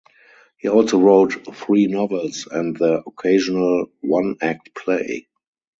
He also wrote three novels and the occasional one act play.